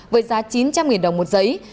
với giá chín trăm linh đồng một giấy